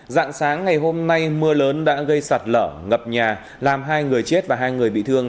dạng sáng ngày hôm nay mưa lớn đã gây sạt lở ngập nhà làm hai người chết và hai người bị thương